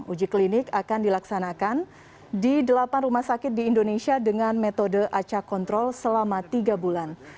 uji klinik akan dilaksanakan di delapan rumah sakit di indonesia dengan metode acak kontrol selama tiga bulan